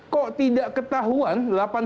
kok tidak ketahuan